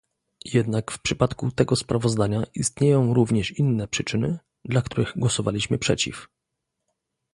Jednak w przypadku tego sprawozdania istnieją również inne przyczyny, dla których głosowaliśmy przeciw